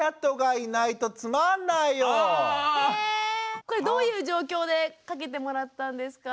これどういう状況でかけてもらったんですか？